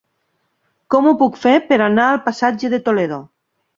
Com ho puc fer per anar al passatge de Toledo?